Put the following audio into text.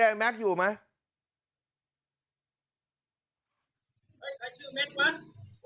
เค้าผู้หัวมาห้าง